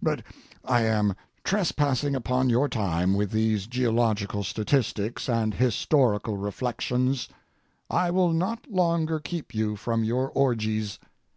But I am trespassing upon your time with these geological statistics and historical reflections. I will not longer keep you from your orgies.